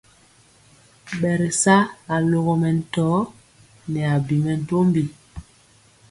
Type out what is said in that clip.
Ɓɛ ri sa alogɔ mɛntɔɔ nɛ abi mɛntombi.